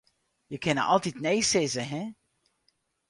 Je kinne altyd nee sizze, hin.